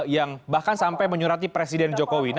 yang bahkan sampai menyurati presiden jokowi